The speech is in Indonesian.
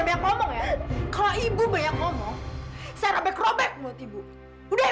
berserak dulu tolong